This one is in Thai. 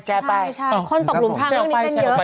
ใช่คนตกหลงทางเรื่องนี้กันเยอะ